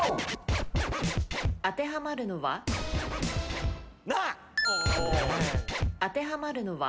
当てはまるのは？